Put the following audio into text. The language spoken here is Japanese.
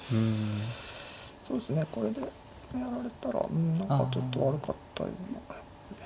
そうですねこれでやられたら何かちょっと悪かったような。